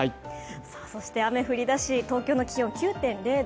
そして雨、降り出し、東京の気温、９．０度。